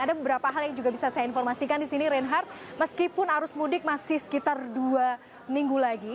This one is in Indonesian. ada beberapa hal yang juga bisa saya informasikan di sini reinhardt meskipun arus mudik masih sekitar dua minggu lagi